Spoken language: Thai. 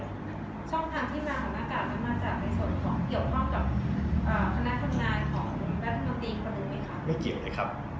ช่องทางที่มาของนาการมันมาจากในส่วนของเกี่ยวข้องกับคณะคำนายของกรุงรัฐมนตรีครับรู้ไหมครับ